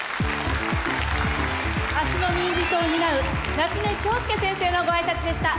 明日の民自党を担う夏目恭輔先生のごあいさつでした。